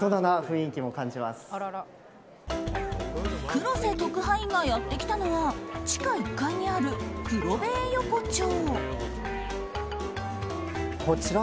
黒瀬特派員がやってきたのは地下１階にある黒塀横丁。